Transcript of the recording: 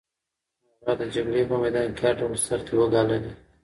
هغه د جګړې په میدان کې هر ډول سختۍ وګاللې.